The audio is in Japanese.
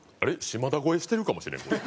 島田超えしてるかもしれんこれ。